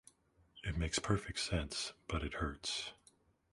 It makes perfect sense, but it hurts.